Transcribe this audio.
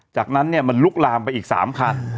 จากนั้นมันลุกลามไปอีก๓คัน